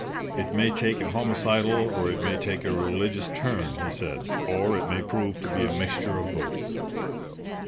'It may take a homicidal, or it may take a religious turn,' he said; 'or it may prove to be a mixture of both.